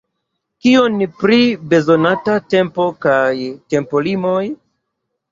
Kion pri bezonata tempo kaj tempolimoj?